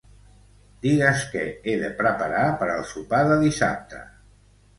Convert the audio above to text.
Digues què he de preparar per al sopar de dissabte.